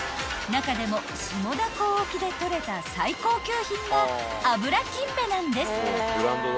［中でも下田港沖で取れた最高級品が脂金目なんです］